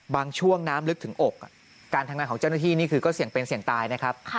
บางช่วงน้ำลึกถึงอกการทำงานของเจ้าหน้าที่นี่คือก็เสี่ยงเป็นเสี่ยงตายนะครับ